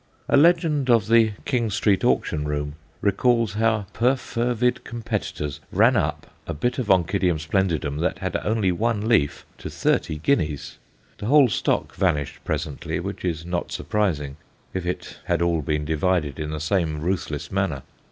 A legend of the King Street Auction Room recalls how perfervid competitors ran up a bit of Onc. splendidum, that had only one leaf, to thirty guineas. The whole stock vanished presently, which is not surprising if it had all been divided in the same ruthless manner.